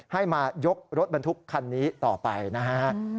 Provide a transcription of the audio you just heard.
ให้มายกรถบรรทุกคันนี้ต่อไปนะฮะ